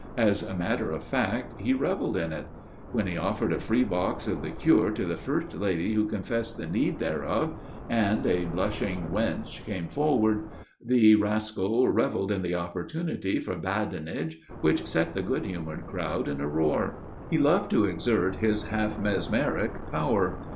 As a matter of fact, he revelled in it. When he offered a free box of the cure to the first lady who confessed the need thereof, and a blushing wench came forward, the rascal revelled in the opportunity for badinage which set the good humoured crowd in a roar. He loved to exert his half mesmeric power.